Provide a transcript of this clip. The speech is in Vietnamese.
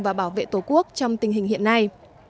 và bảo vệ tổ quốc trong tình hình hiện nay